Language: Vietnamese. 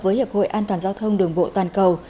với hiệp hội an toàn giao thông đường bộ toàn cầu